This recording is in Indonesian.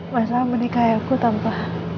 masalah menikah aku tanpa